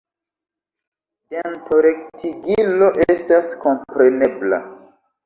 Dentorektigilo estas komprenebla.